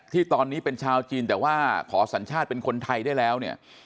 ที่ตอนนี้เป็นชาวจีนแต่ว่าขอสัญชาติเป็นคนไทยได้แล้วเนี่ย